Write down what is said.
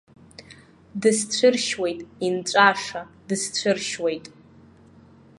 Дысцәыршьуеит, инҵәаша, дысцәыршьуеит!